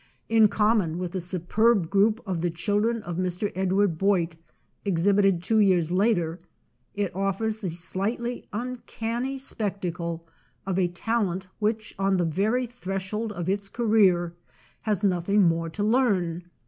In com mon with the superb group of the children of Mr. Edward Boit, exhibited two years later, it offers the slightly "uncanny" spectacle of a talent which on the very threshold of its career has nothing more to learn.